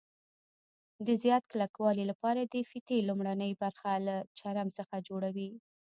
د زیات کلکوالي لپاره د فیتې لومړنۍ برخه له چرم څخه جوړوي.